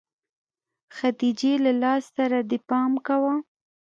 خديجې له لاس سره دې لږ پام کوه.